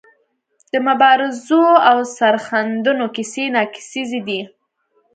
د مبارزو او سرښندنو کیسې ناکیسیزې دي.